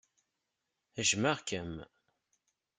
Jmeɣ-kem.